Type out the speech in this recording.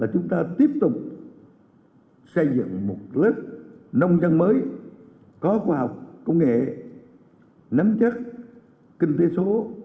chúng ta tiếp tục xây dựng một lớp nông dân mới có khoa học công nghệ nắm chắc kinh tế số